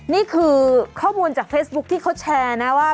นี่คือข้อมูลจากเฟซบุ๊คที่เขาแชร์นะว่า